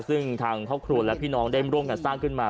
ซึ่งทางครอบครัวและพี่น้องได้ร่วมกันสร้างขึ้นมา